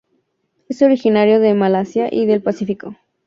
Es originario de Malasia y del Pacífico.